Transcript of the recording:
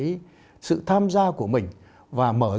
và mở rộng cái sự tham gia của mình và mở rộng cái sự tham gia của mình